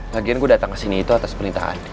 lagian gue datang kesini itu atas perintah andi